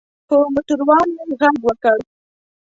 په موټر وان یې غږ وکړ.